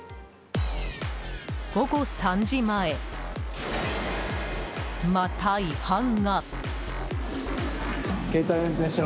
午後３時前、また違反が。